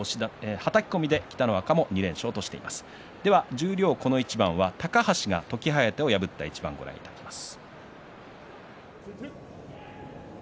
十両この一番は高橋が時疾風を破った一番をご覧いただきます。